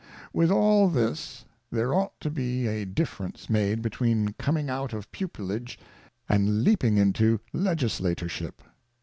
With all this, there ought to be a difference made between coming out of Pupilage, and leaping into Legislatorship.